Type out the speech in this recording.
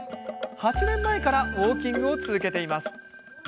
８年前からウォーキングを続けています。